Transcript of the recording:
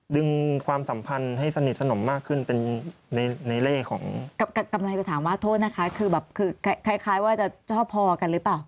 ดึงความสัมพันธ์ให้สนิทสนมมากขึ้นเป็นในเลขของ